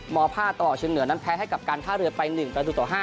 ม๕ตลอดเชียงเหนือนั้นแพ้ให้กับการท่าเรือไป๑ประตูต่อ๕